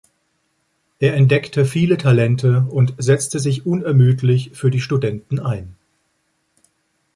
Er entdeckte viele Talente und setzte sich unermüdlich für die Studenten ein.